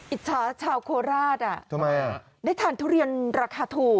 อิจฉาชาวโคราชได้ทานทุเรียนราคาถูก